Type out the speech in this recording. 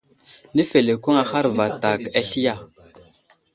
Nəfelekweŋ ahar vatak asli ya ?